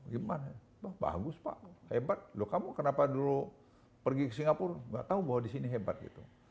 gimana pak bagus pak hebat loh kamu kenapa dulu pergi ke singapura nggak tahu bahwa di sini hebat gitu